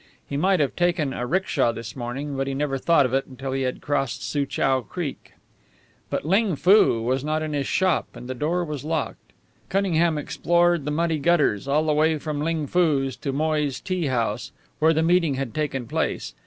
He might have taken a 'ricksha this morning, but he never thought of it until he had crossed Soochow Creek. But Ling Foo was not in his shop and the door was locked. Cunningham explored the muddy gutters all the way from Ling Foo's to Moy's tea house, where the meeting had taken place.